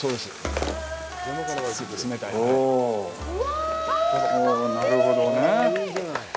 おお、なるほどね。